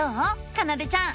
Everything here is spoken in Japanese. かなでちゃん。